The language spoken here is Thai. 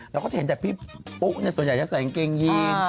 เราก็จะเห็นแต่พี่ปุ๊ส่วนใหญ่จะใส่กางเกงยีน